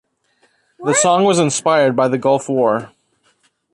The song was inspired by the Gulf War.